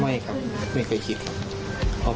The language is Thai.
ไม่ครับไม่เคยคิดครับ